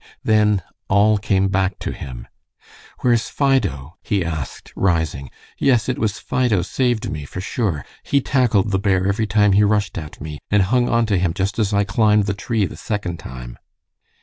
Then all came back to him. "Where's Fido?" he asked, rising. "Yes, it was Fido saved me, for sure. He tackled the bear every time he rushed at me, and hung onto him just as I climbed the tree the second time."